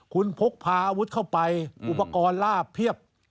คุณพกพาอาวุธเข้าไปอุปกรณ์ลาบเพียบ